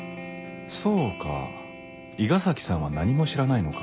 そうか伊賀崎さんは何も知らないのか